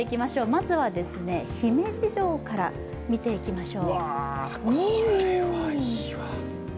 まずは、姫路城から見ていきましょう。